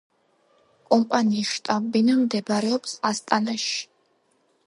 კომპანიის შტაბ-ბინა მდებარეობს ასტანაში.